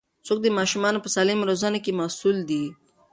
څوک د ماشومانو په سالمې روزنې کې مسوول دي؟